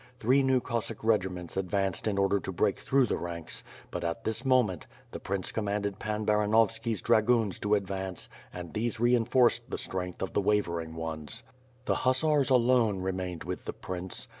Three new Cossack regiments advanced in order to brea through the ranks; but, at this moment, the prince commanded Pan Baranovski^s dragoons to advance and these reinforcei" the strength of the wavering ones. The hussars, alon , remained with the prince.